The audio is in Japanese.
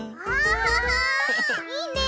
いいね！